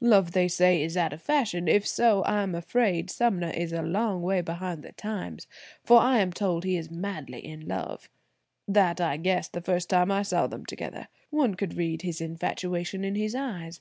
Love, they say, is out of fashion, if so, I am afraid Sumner is a long way behind the times, for I am told he is madly in love. That I guessed the first time I saw them together. One could read his infatuation in his eyes.